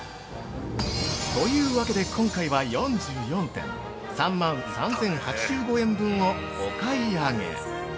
◆というわけで、今回は４４点３万３０８５円分をお買い上げ。